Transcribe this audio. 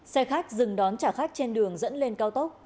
xe khách dừng đón trả khách trên đường dẫn lên cao tốc